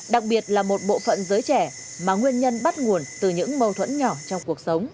đặc biệt là một bộ phận giới trẻ mà nguyên nhân bắt nguồn từ những mâu thuẫn nhỏ trong cuộc sống